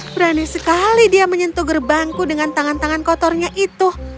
berani sekali dia menyentuh gerbangku dengan tangan tangan kotornya itu